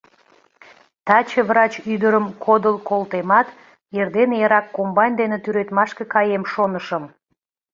«Таче врач ӱдырым кодыл колтемат, эрдене эрак комбайн дене тӱредмашке каем», — шонышым.